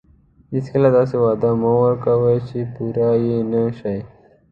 هیڅکله داسې وعدې مه ورکوئ چې پوره یې نه شئ.